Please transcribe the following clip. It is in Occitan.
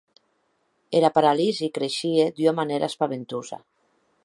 Era paralisi creishie d’ua manèra espaventosa.